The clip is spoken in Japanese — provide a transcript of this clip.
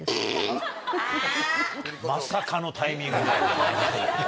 あぁ！まさかのタイミング。